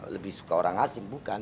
lebih suka orang asing bukan